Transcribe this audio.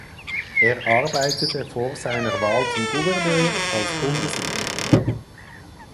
Er arbeitete vor seiner Wahl zum Gouverneur als Bundesrichter.